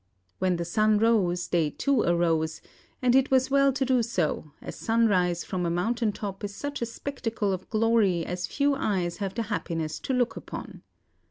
When the sun rose, they too arose; and it was well to do so, as sunrise from a mountain top is such a spectacle of glory as few eyes have the happiness to look upon.